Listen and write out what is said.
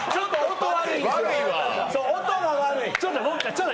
音が悪い。